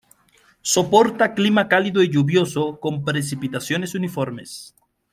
Soporta clima cálido y lluvioso, con precipitaciones uniformes.